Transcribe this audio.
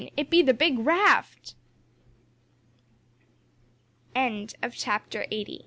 it be the big raft_!" CHAPTER EIGHTY ONE.